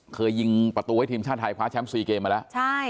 เคยยิงประตูให้ทีมชาติไทยคว้าแชมป์๔เกมมาแล้วใช่